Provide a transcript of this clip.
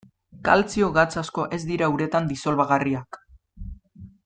Kaltzio-gatz asko ez dira uretan disolbagarriak.